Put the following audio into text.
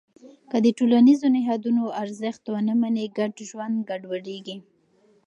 که د ټولنیزو نهادونو ارزښت ونه منې، ګډ ژوند ګډوډېږي.